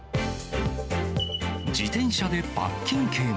自転車で罰金刑も。